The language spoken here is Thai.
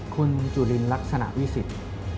คุณจุลินลักษณะวิสิทธิ์